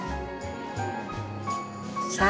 さあ。